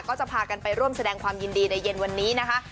ก็จะพากันไปร่วมแสดงความยินดีในเย็นวันนี้นะคะ